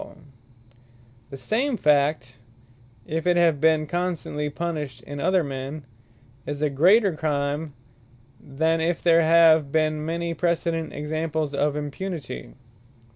Examples Of Impunity, Extenuate The same Fact, if it have been constantly punished in other men, as a greater Crime, than if there have been may precedent Examples of impunity.